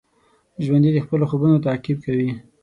ژوندي د خپلو خوبونو تعقیب کوي